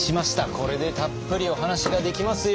これでたっぷりお話ができますよ。